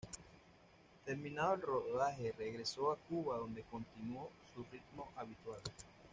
Terminado el rodaje regresó a Cuba donde continuó su ritmo habitual.